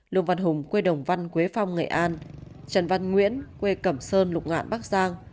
lương văn hùng quê đồng văn quế phong nghệ an trần văn nguyễn quê cẩm sơn lục ngạn bắc giang